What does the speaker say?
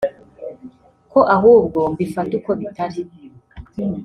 ko ahubwo mbifata uko bitari